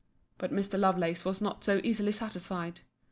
But Mr. Lovelace was not so easily satisfied.